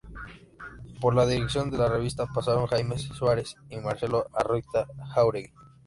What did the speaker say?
Por la dirección de la revista pasaron Jaime Suárez y Marcelo Arroita-Jáuregui.